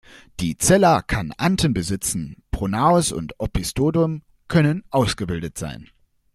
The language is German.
Die Cella kann Anten besitzen, Pronaos und Opisthodom können ausgebildet sein.